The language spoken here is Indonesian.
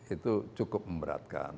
itu cukup memberatkan